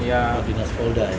plat dinas olda ya